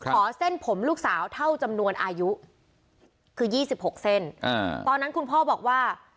เส้นผมลูกสาวเท่าจำนวนอายุคือ๒๖เส้นตอนนั้นคุณพ่อบอกว่า